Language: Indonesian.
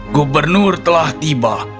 gubernur telah tiba